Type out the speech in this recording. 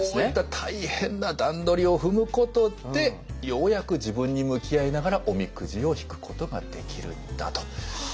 こういった大変な段取りを踏むことでようやく自分に向き合いながらおみくじを引くことができるんだと。